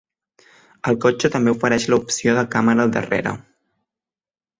El cotxe també ofereix la opció de càmera al darrera.